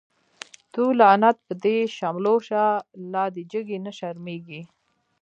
تو لعنت په دی شملو شه، لادی جگی نه شرمیږی